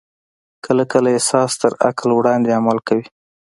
کله کله احساس تر عقل وړاندې عمل کوي.